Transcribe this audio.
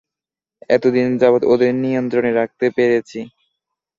এতদিন যাবত ওদের নিয়ন্ত্রণে রাখতে পেরেছি।